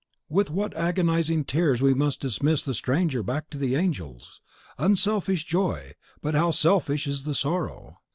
With what agonising tears we dismiss the stranger back to the angels! Unselfish joy; but how selfish is the sorrow!